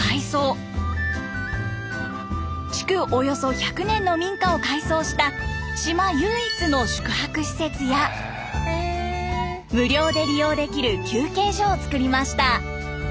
およそ１００年の民家を改装した島唯一の宿泊施設や無料で利用できる休憩所をつくりました。